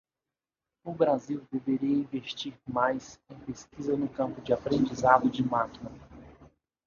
O Brasil deveria investir mais em pesquisa no campo de Aprendizado de Máquina